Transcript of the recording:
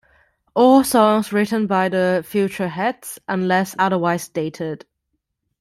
All songs written by The Futureheads, unless otherwise stated.